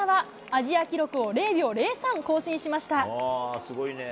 アジア記録を０秒０３更新しました。